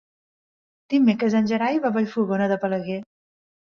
Dimecres en Gerai va a Vallfogona de Balaguer.